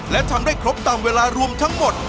และทำได้ครบตามเวลารวมทั้งหมด